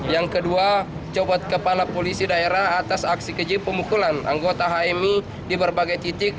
yang kedua cobat kepala polisi daerah atas aksi keji pemukulan anggota hmi di berbagai titik